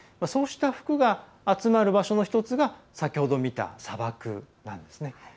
そうした服が集まる場所の１つが先ほど見た砂漠なんですね。